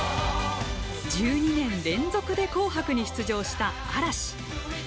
１２年連続で「紅白」に出場した嵐。